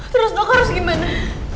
terus dok harus gimana